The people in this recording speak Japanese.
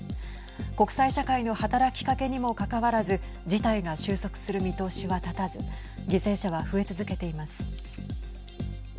国際社会の働きかけにもかかわらず事態が収束する見通しは立たず犠牲者は増え続けています。